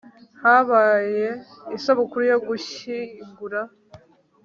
habaye Isabukuru yo gushyingura